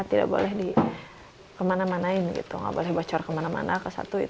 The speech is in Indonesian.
tidak boleh dibacor kemana mana